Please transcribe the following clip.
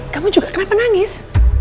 kamu juga kenapa nangis